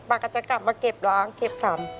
ก็จะกลับมาเก็บล้างเก็บทำ